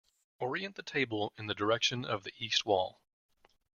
Orient the table in the direction of the east wall.